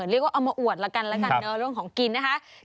เรียกว่าเอามาอวดแล้วกันเรื่องของกินนะคะ